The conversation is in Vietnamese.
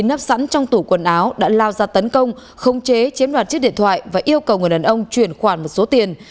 nắp sẵn trong tủ quần áo đã lao ra tấn công khống không chế chiếm đoạt chiếc điện thoại và yêu cầu người đàn ông chuyển khoản một số tiền